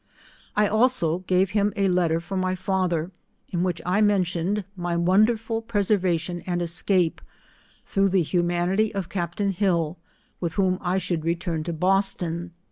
I also gave him a letter for my father, in which I mentioned my wonderful preservation and escape, through the humanity of captain Hill, with whom I should return to Boston.